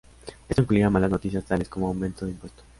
Esto incluía malas noticias tales como aumento de impuesto.